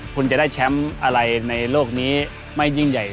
คุณจะได้แชมป์อะไรในโลกนี้ไม่ยิ่งใหญ่